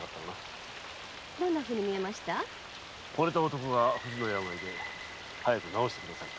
惚れた男が不治の病で早く治してくださいと。